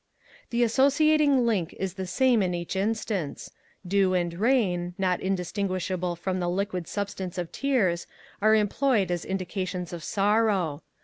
The associating link is the same in each instance: Dew and rain, not distinguishable from the liquid substance of tears, are employed as indications of sorrow.